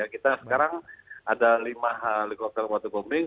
kita sekarang ada lima helikopter watubombing